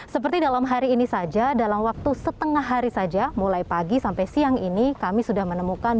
seperti dalam hari ini saja dalam waktu setengah hari saja mulai pagi sampai siang ini kami sudah menemukan